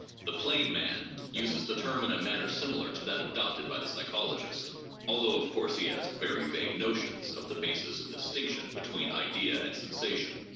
The "plain man" uses the term in a manner similar to that adopted by the psychol ogist, although, of course, he has very vague notions of the basis of the distinction between idea and sensation.